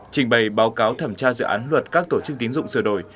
trình bày báo cáo thẩm tra dự án luật các tổ chức tín dụng sửa đổi